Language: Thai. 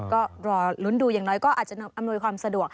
ก็รอลุ้นดูอย่างน้อยก็อาจจะอำนวยความสะดวก